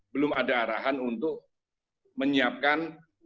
belum ada arahan untuk menyiapkan